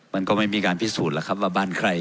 มันก็ไม่มีการพิสูจน์แล้วครับว่าบ้านใคร